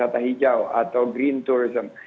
warna hijau atau green tourism